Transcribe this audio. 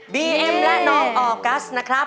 บีเอ็มและน้องออกัสนะครับ